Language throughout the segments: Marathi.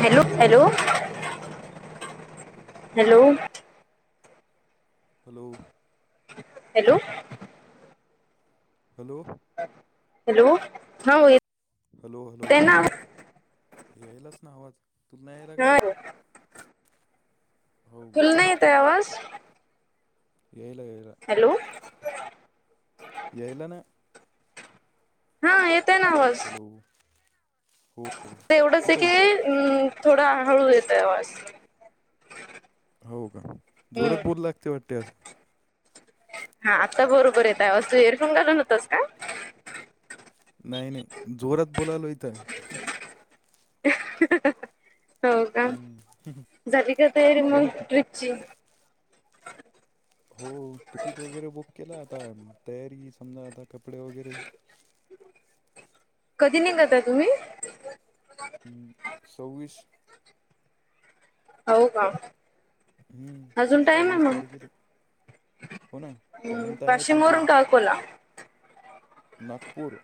हॅलो हॅलो हॅलो हॅलो बोल हॅलो ना हॅलो हॅलो हॅलो. हॅलो. हा हॅलो, हॅलो येतय ना यायलाच ना आवाज तुम्हाला यायला काय? हा तुला नाही येत आहे आवाज? येईला. येईला. हॅलो येलन हा हॅलो हो तर एवढंच आहे कुठं की अ थोडा हहळू देतो आवाज हो का हम्म, जोरात बोलू लागते वाटते आज हा आता बरोबर येतय व तू एयरफोन घालून होतोस का नाही नाही जोरात बोलायलायता आहे हो का हम्म, झाली का तयारी मग रुची हो तिकीट वगैरे बुक केला आता तयारी समजा आता कपडे वगैरे कधी निघता तुम्ही सौ्वीस हो का अजून टाइम आहे सव्वीस मग तारखेर हो ना हम्म, टाईम तर आहे पण वाशिम ते वरून का अकोला नागपूर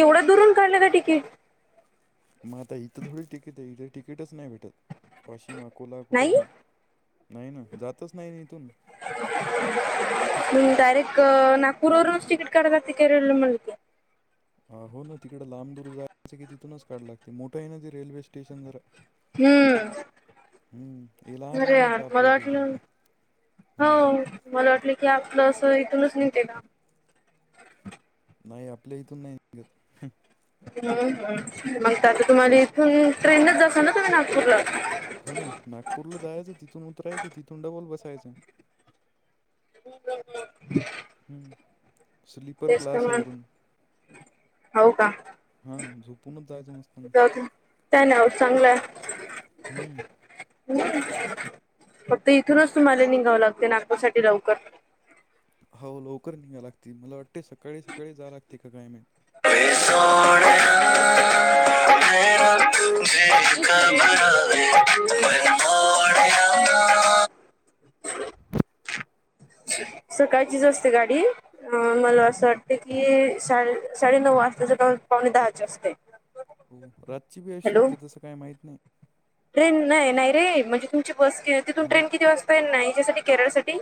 एवढं दुरून काढलं का तिकीट मग आता इथं थोडी तिकीट आहे इथे तिकीटच नाही भेटत वाशिम अकोला कुठंच नाही नाही ना जातच नाही इथून डायरेक्ट नागपूर वूनच तिकीट काढावी लागते का रेल्वे म ह हो ना तिकडं लांब दूर जायचं की तिथूनच काढ लागते मोठं आहे ना ते रेल्वे स्टेशन जरा हम्म हम्म लहान अरे लहान येतं आपल्या मला इकडले वाटलं हां हो मला वाटलं की आपलं अस इथूनच निते का नाही आपल्या इथून नाही नि हम्म मग आता तुम्हाला इथून ट्रेनच जा ना तुम्ही नागपूरला हो ना नागपूरला जायचं तिथून उतरायचं तिथून डबल बसायचं ह हम्म स्लीपर क्लास आहे वरुण हो का हा झोपूनच जायचं जाऊ दे काय मस्तना नाही होत चांगलं आहे. हम्म फक्त इथूनच तुम्हाला निघावं लागत नागपूर साठी लवकर हो लवकर निघा लागते मला वाटते सकाळी सकाळी जा लागते कायमे ह हो सकाळचीच असते गाडी अ मला असं वाटते की सा साडेनऊ वाजल्या तर पावणे दहाचे असते हो रातची बी अ हॅलो शकते तसं काही माहीित नाही ट्रेन नाही नाही रे म्हणजे तुमची बस तिथून हां ट्रेन किती वाजता आहे नाही याच्यासाठी केरळ साठी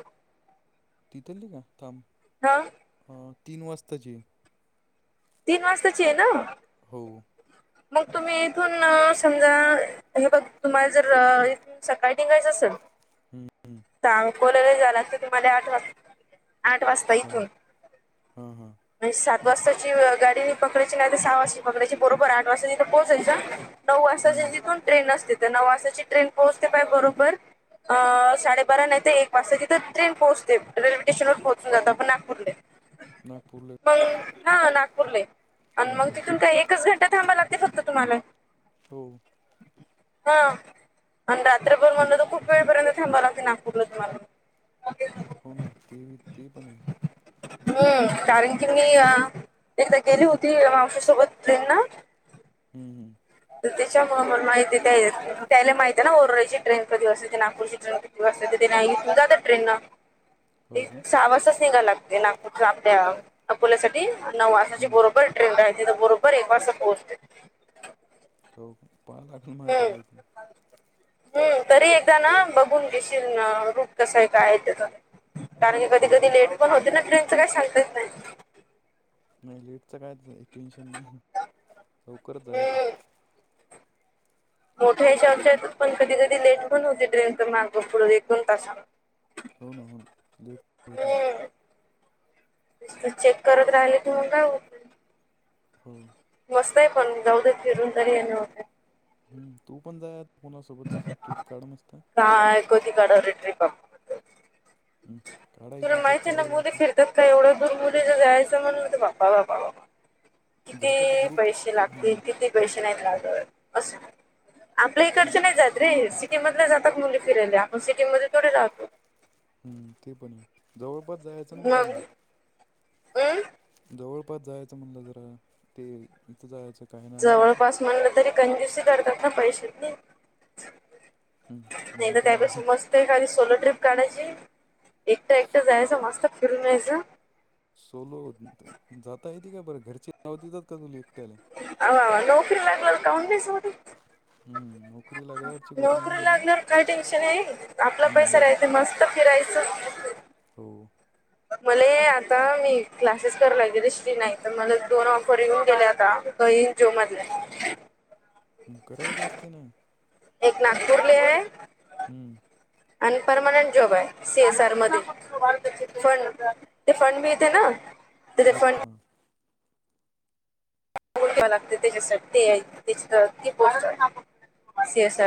तिथलली का थांब हा तीन वाजताची तीन वाजताची आहे ना हो मग तुम्ही इथून समजा हे बघ तुम्हाला जरथ सकाळी टिंगायचं असेल हम्म तर अकोलाला झाला तर तुम्हाला आठ वाजता आठ वाजता हां इथून हां हां म्हणे सात वाजता गाडी पकडायची नाही तर सहा वाजता पकडयची बरोबर आठ वाजता तिथे पोहचायचं नऊ वाजताची हम्म तिथून ट्रेन असते तर नऊ वाजताची ट्रेन पोहोचते पाय बरोबर अ साडेबारा नाही तर एक वाजता तिथे ट्रेन पोहोचते रेल्वे स्टेशनवर पोहोचून जात आपण नागपूरले ह नागपूले हा नागपूरले आणि मग हम्म तिथून काही एकच घंटा थांबा लागते फक्त तुम्हाला हो हा आणि रात्रभर म्हणलं तर खूप वेळपर्यंत थांबाला लागते नापबलं तुम्हाला हो ना ते ते पण आहे हम्म कारण की मी एकदा गेली होती आमच्यासोबत ट्रेन ना हम्म हम् त्याच्या माहिती आहे त्याला माहिती आहे ना ओरळीची ट्रेन कधी वातयची नागपूरची ट्रेन नाहीस जात ट्रेन ते हो का सहा वाजताच निघायला लागते नागपूर आपल्या अकोल्या सा नऊ वाजची हम्म बरोबर बरोबर एक वास पोचत हो पालकल मााता हम्म कायत हम्म तरी एकदा ना बघून घशील रूप कसं आहे काय त्या कारण की कधी हो कधी लेट पण होते ना ट्रेनचं काही सांगतच नाही नाही लेटचं काय टेन्शन नाही लवकरच जायचं हम्म. मोठ्या ह चर्च्या यत पण कधी कधी लेटण होते ट्रेनचा मार्ग पुढे एकोन तासा हो ना हो ना लेट होते हम्म चेक करत राहिले तगा हो मस्त आहे पण जाऊद फिरून तरी ये न होते हम्म तू पण जाय कुणासोबत अस ट्र्रीप काढ मस्त का कोोती काडव ट्रिप हम्म काढायची तुला याच्यात माहिती आहे काय ना एवढं मु असं फिरतात का एवढं दूर मुले जायचं म्हणलं तर बा्पा बापा जातात किती ग्रुप पैसे लागतील हां कि आपल्या इकडच नाही जात रे सि कु जातात मुली फिरायला आपण सिटीमध्ये तेथोे जहातो हम् ते पण आहे जवळपास जायचं ना हा कुठं मग अम जवळपास जायचं म्हणलं जरा ते इथं जायचं. काय नाव आहे जवळपास म्हणलं तरी कंजुस करतात ना पैसे हम्म मग नाही ना त्यापेस आता मस्त आहे खाली सोलो ट्रिप काण्यायची एकटा सो- एकटं जायचं मस्त फिरून यायचं. सोलो,, जाता येते का बरं, घरची जावू देतात का तुले. अ,, नोकरी लागल्या वर काउन नाई जाऊ देत. हम्म, नोकरी लागल्यावरची गोष्ट नाही नोकरी म्हणा लागल्यावर काय टेन्शन आहे,, आपला हम्म पैसा हम्म राहातय,, मस्त फिरायच. तोऽ [unintelligible] मले,, आता मी,, क्लासेस करु रायलेहरे स्री,, नाही तर मला दोन ऑफर येऊन गेले आता. काही जे माजलऽ तु कराय जास्ती नाही. एक नागपूर ल ऐ. हम्म. आणि परमानंट जॉब आहे सी एसआर मध्ये पण रिफंड मी येते ना तर हां रिफंड हां लागते त्याच्यासाठी ते त्याच्या तर पो सेस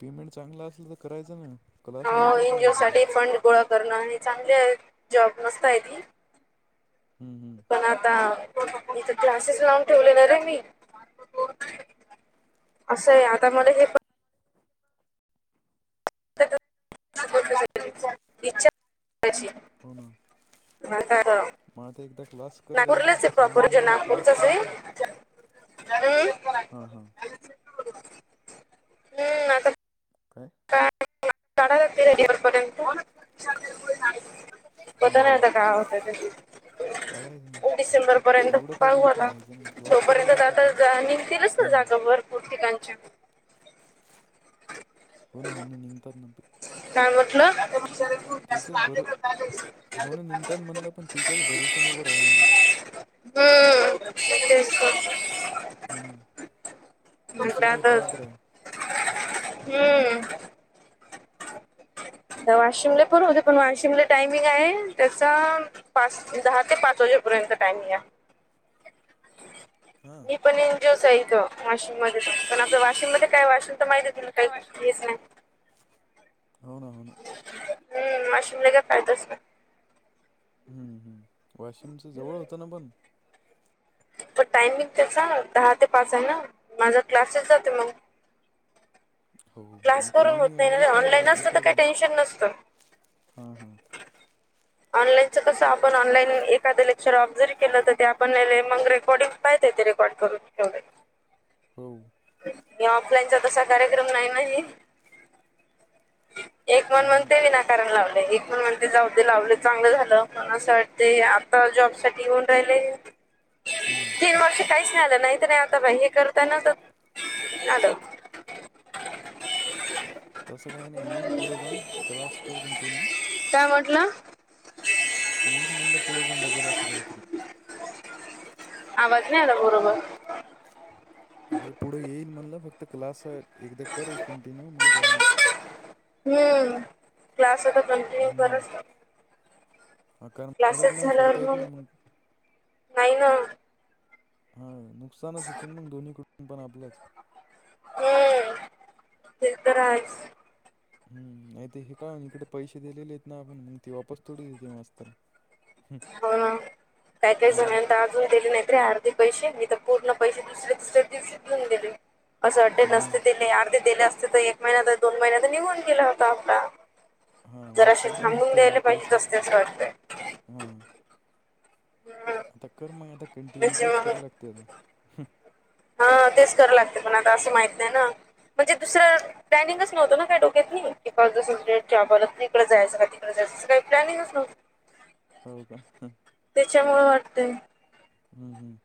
पेमेंट चांगला असल तर करायचं ना. क्लास नंतर एन जीओ करायची ते साठी फंड गोळा करणं आणि चांगले जॉब मस्त आहे ती हम्म, हम्. पण आता, ईथ क्लासेस लावून ठेवले ना रे मी. असं आहे आता मला तू- हे. इच्छाच करायचीऽ होना, म ते एकदा कलास नागपूरलाच ए,, प्रॉपर ज नागपूरचाच एहम. हा, हा. हम्म, आता काकय का,? काडल ते रेडीवर पर्यंत हां होता नाही हां आता काय होतय ते, काढायचं एक डिसेंबर पर्यंत एवढं काही पाहू टेन्शन आता. घ्यायचं नाही क्लास करून तोपर्यंत तर टाक एक ना आता निघतीलच ना हां जागा भरपूर ठिकाणच्या. हो ना, हो ना निघंतात नंप काय म्हटलं? म शर खू जास्त त्याच्याच ला भरो हो ना निघतात ले, म्हणलं पण त्याच्याच भरोशा नको राहू म्हणलं हम्म. तेचग, हम्म,, दुसरं काही आता पात्र आह. हम्म, आ वाशिमला पण होते,, पण वाशिमला टायमिंग आहे,, त्याचा पाच, दहा ते पाच वाजेपर्यंत टाइमिंग आहे. हा. पणज्योच इथं वाशिम मध्ये पण,, वाशिम मध्ये काय वाशिन तर माहिित. हो ना, हो ना. हम्म, वाशिम ला काय फायदाच नाही. ह्म, हम् वाशिमचं जवळ होतं ना पण पण टायमिंग त्याचा, ना,, दहा ते पाच आहे ना. माझा क्लासेस जाते मग. हो, क्लास मग ते करून होत मी ना ऍडजस्ट नाही ऑनलाईन करत, असतं तर दुसरं काही, टेन्शन नसतं. हा हा. ऑनलाईनच कसं आपण ऑनलाईन एखाद लेक्चर ऑब्झर्व केलं तर ते आपण मग रेकॉर्डिंग य त्यात रेकॉर्ड करून ठेवलय. हो, मी ऑफलाईनचा तसा कार्यक्रम नाही ना घेतऽ एक मण हम्म, म्हणते विनाकारण लावलय,, एक मण म्हणते जाऊ दे लावलेऽ चांगलं झालं,, पण असं वाटते आता जॉब साठी येऊन राहिलेऽ हम्म तीन वर्ष काहीच नाही आलं नाहीत नाही आता हे करताय ना. [unintelligible] तसं काही नाही येईल पुढं पण क्लास कर कंटिन्यू काय म्हटलं? येईल म्हणलं पुढं पण बल असं काहीतरी आवाज नाही आला बरोबर अरे पुढं येईल म्हणलं फक्त क्लास एकदा करे कंटिन्यू मग काय नाही हम्म क्लास आता कंटिन्यू हम्म करच हा कारण मदत नाही झाल्यावर सोडता येत मग ना म्ह नाही ना हा नुकसानच होते आणि मग दोन्ही कुटुंब पण आपलंच ह,, ते तर आहेच. हम्म,, नाही ते हे का इकडे पैसे दिलेले आहेत ना आपण मग ते वापस थोडी देते मास्तरऽ हो ना, हा पॅकेजऽ. अजून दिलेली नाहीत रे अर्धे पैसे,, मी तर पूर्ण पैसे दुसऱ्या तिसऱ्या दिवशीच नेऊन दिले. असं अडडे मग नसते दिले, अर्धे दिले असते तर एक महिना्या, तर दोन महिन्या तर निघून गेला असता हप्ता. हा जर मग असे तसं थांबवून द्यायला पाहिजे, तसतेचं वाटतंयऽ ह,,, आता कर मग आता कंटिन्यू, म्हणजे तेच मग करा लागते आताऽ ह हा तेच करां लागते पण आता असं माहित नाही ना म्हणजे दुसरं प्लॅनिंगच नव्हत ना का ोक्यात क का जसं आपला त इकडे जायं का तिकडे जायचं काही्लनिंगच नवतं ह हो का त्याच्यामुळ वाटतय हम् हम्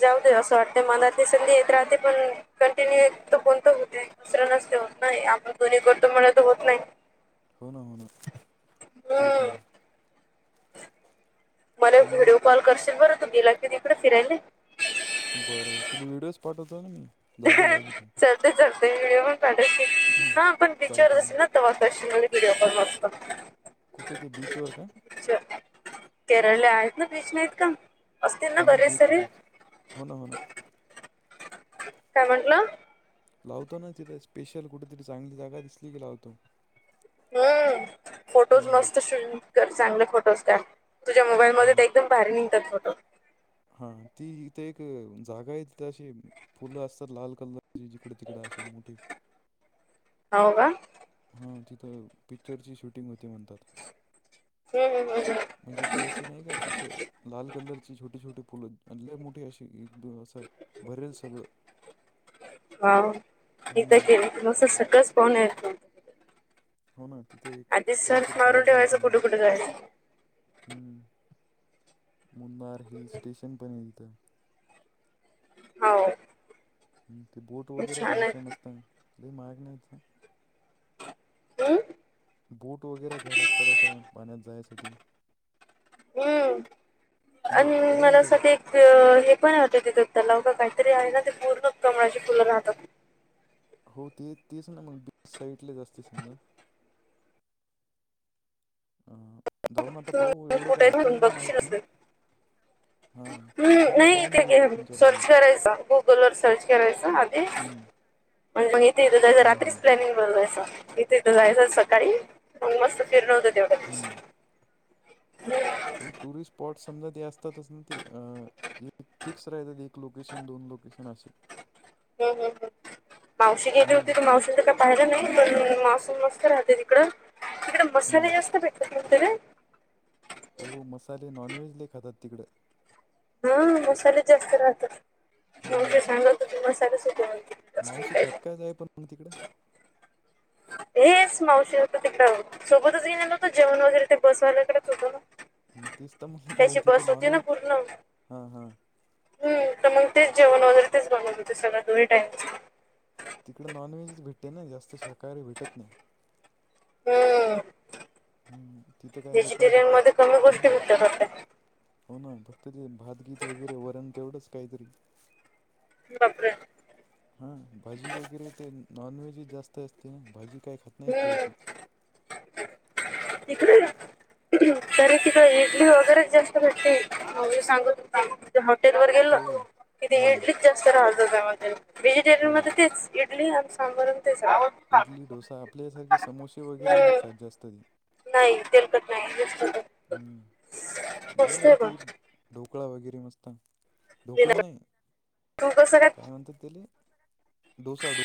जाऊ दे असं वाटतय मनाली संधी येत राहते पण कंटिन्यू तो कोणत होते दुसरं नसते होत नाही आपण दोन्ही करतो म्ह तर होत नाही हो ना हो ना ते पण हम्म मला काही नाही व्हिडिओ कॉल करशील बरं तु गेला कि तिकडे फिरायला बरं बर तुला व्हिडिओच पाठवतो ना मी जागो जागीचे ते व्हिडिओ पण पाठाय हा पण पिक्चर चालतील अस हा ना वा विडिओ आपण मस्त कुठं ते बीचवर का अच् केरळ आहेत ना बीच नाहीत का असतील ना बरेच सरे होन हो ना काय म्हंटलं लावतो ना तिथं स्पेशल कुठेतरी चांगली जागा दिसली की लावतो हम्म फोटोज हम्म, मस्त शूट कर चांगले फोटोज का तुझ्या मोबाईलमध्ये एकदम बाहेर निघतात फोटो हा तीथ एक जागा आहे तिथे अशी फुलं असतात लाल कलरची जिकडे तिकडे अशी मोठीे हो का हा तिथं पिक्चरची शूटिंग होती म्हणतात म्हणजे ते असे नाही का असं लाल कलरची छोटे छोटे फुल मोठे असे ं बरे सगळं हा म तर हम्म केले त अस सगळंच पान य हो ना तिथे एक आधी सर्च काहीतरी मारून गार्डन ठेवायचं पण आहे कुठं कुठं जायाच हम्म मुन्नार हिल स्टेशन पर्यंत हाव हम ते बोट वगैरे घ्यायच्या मस्त लई महाग नाहीथ हम्म? बूट वगैरे घ्यायला लागतातशा पाण्यात जायसाठी हम् आणि हम्म लय मला अस मोठे हे पण यतं ति दत् त्यालाव का काहीतरी आहे ना ते पूर्ण प्रमाणाची फुलं राहतात हो ते तेच ना मग बीच साईडला जास्ते समजा अं जाऊन आता पाहू हम्म एवढं काय कुठे आपल्याला पण माहित बघशील नाही. असेल. हां हम्म सगळं नाही पाहून इथे येतो घे तीन चार सर्च दिवसात करायचा गुगल वर सर्च करायच आधी. हम्म आणि [unintelligible] दीदीला हां रात्रीच हां प्लॅनिंग बघायच तिथं जायचं सकाळी मग मस्त फिरून होतय त्यो हम्म. व टूरिस्ट. स्पॉट समजा ते असतातच ना ते फिक्स राहतात एक लोकेशन दोन लोकेशन असे हम् हम मावशी गेली होती हम्म तर मावशीला [unintelligible] पाहिलं नाही पण मासम मस्त राहते तिकड तिकडे मसाले हम्म जास्त भेटतात म्हंत रे हो मसाले नॉनव्हेज लई खातात तिकडे. हम् मसाले जास्त राहतात. हम्म [unintelligible] सांगा [unintelligible] मावशी खात काय जाय पण तिकडं हेच मावशी होतं तिकडे सोबतच घेलेलं न होतं जेवण वगैरे ते बसवाल्याकडेच होत तीच तर म कारण तिचं नॉन व्हेज हां हां. हम् तर मग तेच जेवण वगैरे तेच बनवत होत सगळ दोन्हीं टाईम. तिकडें नॉनव्हेजच भेटते ना जास्त शाकाहारी भेटत नाही. हम हम्म तिथं. काय लोक असे व्हेजिटेरियन बा मध्ये कमी गोष्टी हां विकतात वाडत. हो ना फक्त ते भातगीत वगैरे वरण तेवढंच काहीतरी. बापरे. हा भाजी वगैरे ते नॉनव्हेज जास्त असते भाजी काय खात नाहीत ते अशी हम्म. [unintelligible] तरी तिकडे इडली वगैरेच जास्त भेटते आमी सांगत होता हॉटेल वर गेलो हो कि हम्म इडलीच जास्त राहतं त्यामध्ये हो व्हेजिटेरियन मध्ये तेच. इडली आणि सांबार ते [unintelligible] इडली डोसा आपल्यासारखे समोसे वगैरे नाहीत हम्म. का जास्त नाही तेलकट नाही हम्म बरं राहते ते [unintelligible] ढोकळा वगैरे नुसता ढोकळा नाही तू कसं काय म्हणतात त्याले डोसा डो -